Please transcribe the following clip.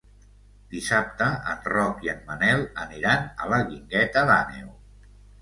Dissabte en Roc i en Manel aniran a la Guingueta d'Àneu.